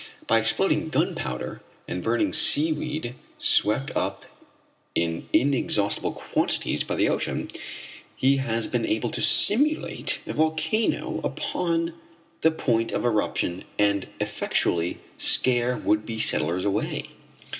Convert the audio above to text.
By exploding gunpowder, and burning seaweed swept up in inexhaustible quantities by the ocean, he has been able to simulate a volcano upon the point of eruption and effectually scare would be settlers away!